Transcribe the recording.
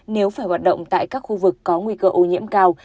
nếu phải hoạt động tại các khu vực có nguy cơ ô nhiễm cao